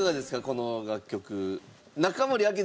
この楽曲。